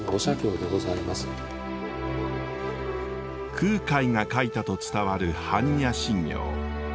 空海が書いたと伝わる般若心経。